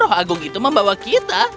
rauh agung membawa kita